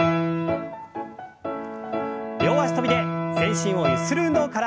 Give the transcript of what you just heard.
両脚跳びで全身をゆする運動から。